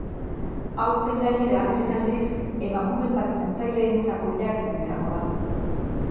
Aurten gainera, lehen aldiz, emakumen patinatzaileentzako lehiaketa izango da.